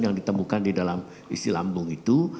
yang ditemukan di dalam isi lambung itu